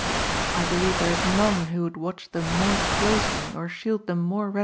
I believe there is none who would watch them more closely or shield them more readily than you."